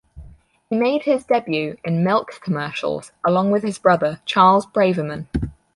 He made his debut in milk commercials along with his brother Charles Braverman.